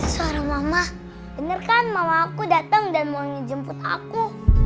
seorang mama bener kan mama aku datang dan mau jemput aku